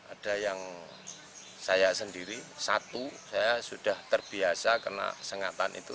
ada yang saya sendiri satu saya sudah terbiasa kena sengatan itu